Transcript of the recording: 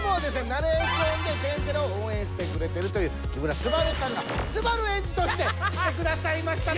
ナレーションで「天てれ」をおうえんしてくれてるという木村昴さんが昴エンジとして来てくださいました。